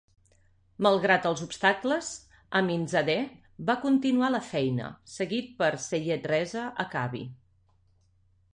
Malgrat els obstacles, Aminzadeh va continuar la feina, seguit per Seyed Reza Akhavi.